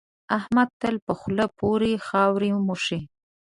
احمد تل په خول پورې خاورې موښي.